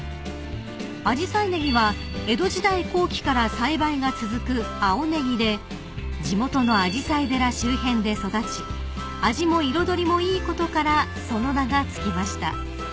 ［あじさいねぎは江戸時代後期から栽培が続く青ネギで地元のあじさい寺周辺で育ち味も彩りもいいことからその名が付きました］